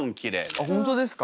あっ本当ですか？